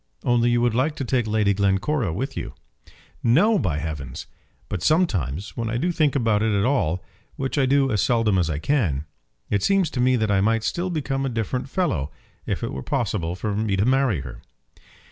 "Only you would like to take Lady Glencora with you." "No, by heavens! But sometimes, when I do think about it at all, which I do as seldom as I can, it seems to me that I might still become a different fellow if it were possible for me to marry her."